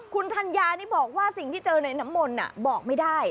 คุณธัญญานี่บอกว่าสิ่งที่เจอในน้ำมนต์บอกไม่ได้